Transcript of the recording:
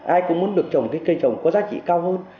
ai cũng muốn được trồng cây trồng có giá trị cao hơn